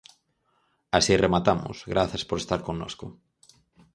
Así rematamos, grazas por estar connosco.